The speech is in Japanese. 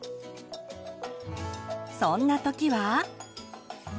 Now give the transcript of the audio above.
そんな時は。